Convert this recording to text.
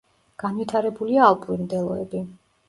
განვითარებულია ალპური მდელოები.